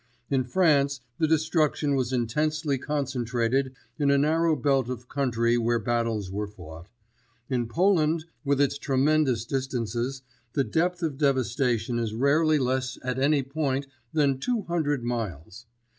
In France the destruction was intensely concentrated in a narrow belt of country where battles were fought. In Poland, with its tremendous distances, the depth of devastation is rarely less at any point than two hundred miles.